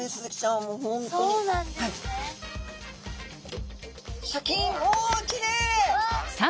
おきれい！